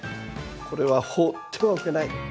これは放ってはおけない。